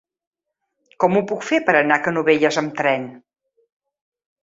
Com ho puc fer per anar a Canovelles amb tren?